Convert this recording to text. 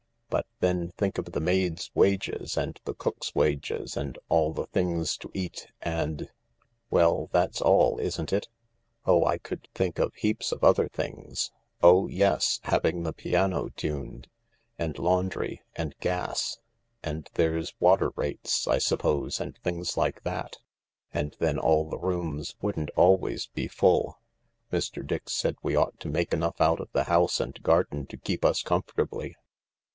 But then think of the maids' wages and the cook's wages and all the things to eat — and ..." "Well, that's all, isn't it ?"" Oh, I could think of heaps of other things — oh yes, having the piano tuned; and laundry ; and gas; and there's water rates, I suppose, and things like that. And then all the rooms wouldn't always be full." " Mr. Dix said we ought to make enough out of the house and garden to keep us comfortably."